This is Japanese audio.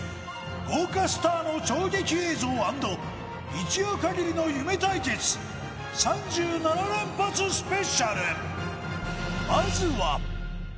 豪華スターの衝撃映像＆一夜限りの夢対決３７連発ＳＰ